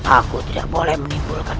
aku tidak boleh menimbulkan